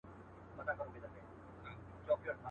ورته وخاندم او وروسته په ژړا سم.